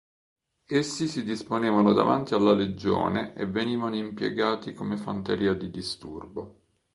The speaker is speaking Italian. Essi si disponevano davanti alla legione e venivano impiegati come fanteria di disturbo.